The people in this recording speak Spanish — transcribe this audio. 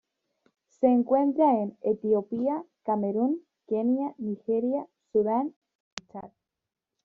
Se encuentra en Etiopía, Camerún, Kenia, Nigeria, Sudán y el Chad.